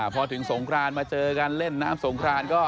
พอถึงสงครานมาเจอกันเล่นน้ำสงครานก็